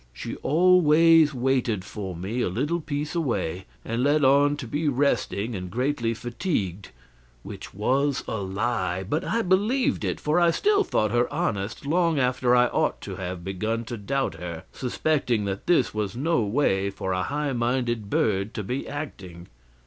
She always waited for me, a little piece away, and let on to be resting and greatly fatigued; which was a lie, but I believed it, for I still thought her honest long after I ought to have begun to doubt her, suspecting that this was no way for a high minded bird to be acting.